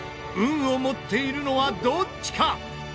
運を持っているのはどっちか？